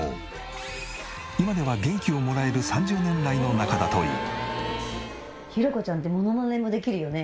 今では元気をもらえる３０年来の仲だという。